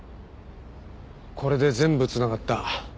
これで全部繋がった。